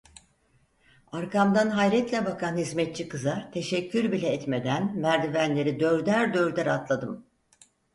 Arkamdan hayretle bakan hizmetçi kıza teşekkür bile etmeden merdivenleri dörder dörder atladım.